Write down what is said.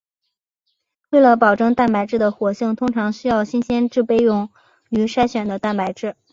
为了保证蛋白质的活性通常需要新鲜制备用于筛选的蛋白质。